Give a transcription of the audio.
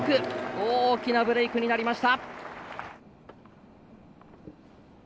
大きなブレークになりました。